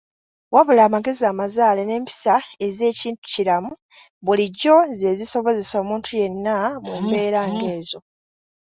Wabula amagezi amazaale n’empisa ez’akintukiramu bulijjo ze zisobesa omuntu yenna mu mbeera ng’ezo.